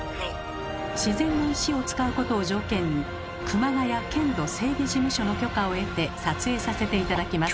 自然の石を使うことを条件に熊谷県土整備事務所の許可を得て撮影させて頂きます。